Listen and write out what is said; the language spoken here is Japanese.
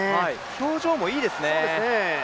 表情もいいですね。